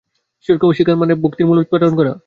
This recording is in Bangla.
ঈশ্বরকে অস্বীকার করার মানে ভক্তির মূল উৎপাটন করা।